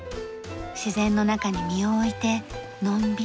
自然の中に身を置いてのんびりします。